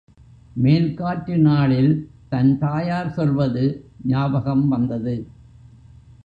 மேல்காற்று நாளில் தன் தாயார் சொல்வது ஞாபகம் வந்தது.